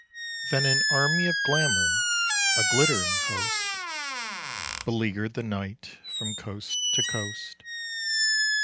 Then an Army of glamour, a glittering Host, Beleaguered the night from coast to coast.